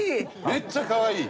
めっちゃかわいい。